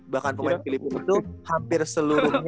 bahkan pemain filipina itu hampir seluruhnya